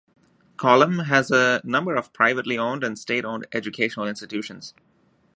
Kollam has a number of privately owned and state-owned educational institutions.